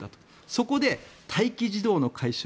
そこで待機児童の解消